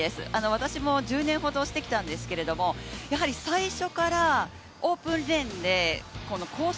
私も１０年ほどしてきたんですけど、やはり最初からオープンレーンでコース